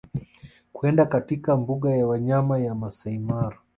kwenda katika mbuga ya wanyama ya Masaimara